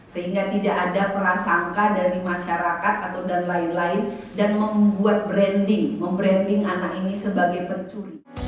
sehingga tidak ada prasangka dari masyarakat atau dan lain lain dan membuat branding membranding anak ini sebagai pencuri